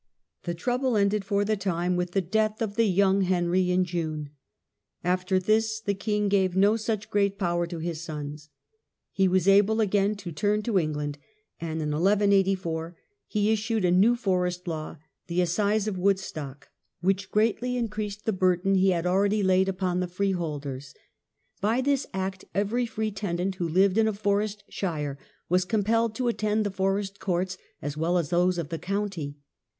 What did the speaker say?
The trouble ended for the time with the death of the young Henry in June. After this the king gave no such great power to his sons. He was able again to turn to England, and in 1 1 84 he issued a new forest law, the Assize of Woodstock^ which HENRY AND PHILIP. 33 greatly increased the burden he had already laid upon the freeholders. By this act every free tenant who lived in a forest shire was compelled to attend the forest courts as well as thoSe of the county.